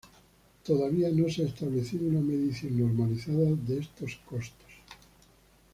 Todavía no se ha establecido una medición normalizada de estos costos.